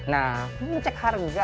nah cek harga